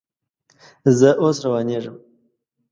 زه اوس روانېږم